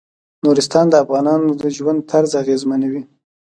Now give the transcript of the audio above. نورستان د افغانانو د ژوند طرز اغېزمنوي.